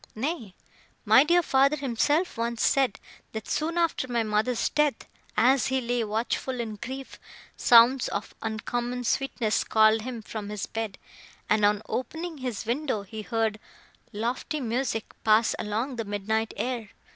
Nay, my dear father himself, once said, that, soon after my mother's death, as he lay watchful in grief, sounds of uncommon sweetness called him from his bed; and, on opening his window, he heard lofty music pass along the midnight air.